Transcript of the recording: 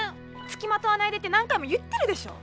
つきまとわないでって何回も言ってるでしょ。